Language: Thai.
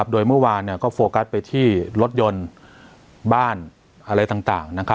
โดยเมื่อวานก็โฟกัสไปที่รถยนต์บ้านอะไรต่าง